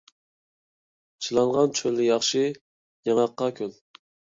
چىلانغا چۆل ياخشى، ياڭاققا كۆل